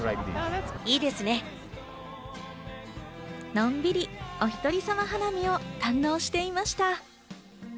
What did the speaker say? のんびり、おひとりさま花見を堪能していました。